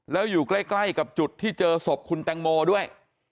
แล้วอยู่ใกล้กับจุดที่เจอศพคุณแตงโมด้วย